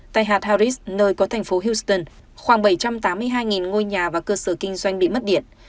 tại hạt harris nơi có thành phố houston khoảng bảy trăm tám mươi hai ngôi nhà và cơ sở kinh doanh bị mất điện